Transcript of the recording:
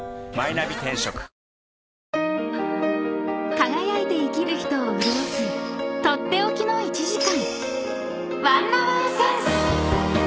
［輝いて生きる人を潤す取って置きの１時間］